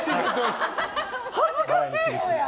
恥ずかしい！